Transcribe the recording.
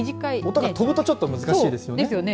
音がとぶとちょっと難しいですよね。